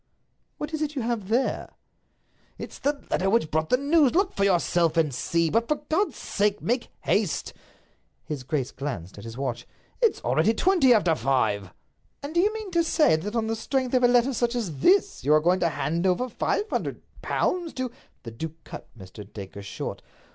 "What is it you have there?" "It's the letter which brought the news—look for yourself and see; but, for God's sake, make haste!" His grace glanced at his watch. "It's already twenty after five." "And do you mean to say that on the strength of a letter such as this you are going to hand over five hundred pounds to—" The duke cut Mr. Dacre short.